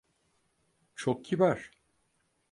Çok kibar.